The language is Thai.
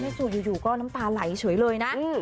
จู่อยู่ก็น้ำตาไหลเฉยเลยนะ